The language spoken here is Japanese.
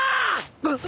あっ。